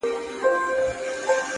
چي ژوندی وي د سړي غوندي به ښوري!!